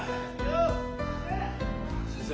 先生